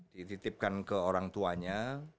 dititipkan ke orang tuanya